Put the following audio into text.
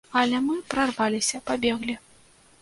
Але мы прарваліся, пабеглі.